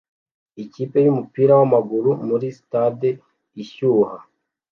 Ikipe yumupira wamaguru muri stade ishyuha